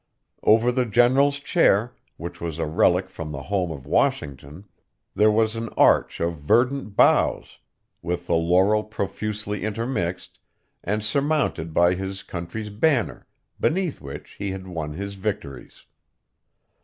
Over the general's chair, which was a relic from the home of Washington, there was an arch of verdant boughs, with the laurel profusely intermixed, and surmounted by his country's banner, beneath which he had won his victories.